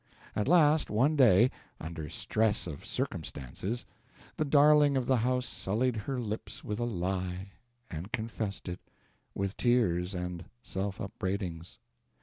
At last, one day, under stress of circumstances, the darling of the house sullied her lips with a lie and confessed it, with tears and self upbraidings.